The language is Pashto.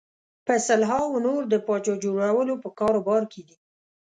په سلهاوو نور د پاچا جوړولو په کاروبار کې دي.